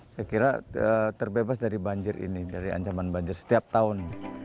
saya kira terbebas dari banjir ini dari ancaman banjir setiap tahun